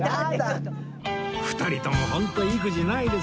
２人ともホント意気地ないですねえ